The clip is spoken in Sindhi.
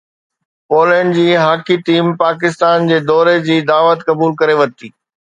پولينڊ جي هاڪي ٽيم پاڪستان جي دوري جي دعوت قبول ڪري ورتي